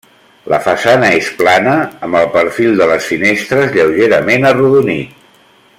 La façana és plana, amb el perfil de les finestres lleugerament arrodonit.